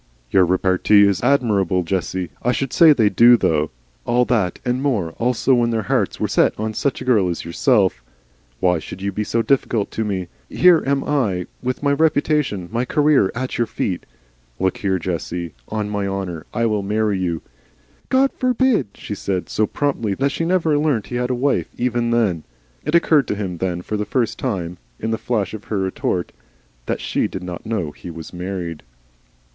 "Your repartee is admirable, Jessie. I should say they do, though all that and more also when their hearts were set on such a girl as yourself. For God's sake drop this shrewishness! Why should you be so difficult to me? Here am I with MY reputation, MY career, at your feet. Look here, Jessie on my honour, I will marry you " "God forbid," she said, so promptly that she never learnt he had a wife, even then. It occurred to him then for the first time, in the flash of her retort, that she did not know he was married.